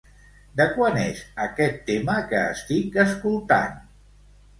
De quan és aquest tema que estic escoltant?